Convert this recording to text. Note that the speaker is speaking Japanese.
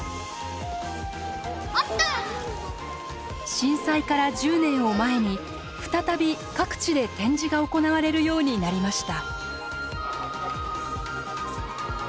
震災から１０年を前に再び各地で展示が行われるようになりました。